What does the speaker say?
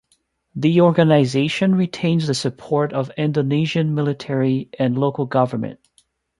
The organization retains the support of Indonesian military and local government.